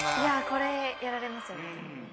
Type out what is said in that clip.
これやられますよね。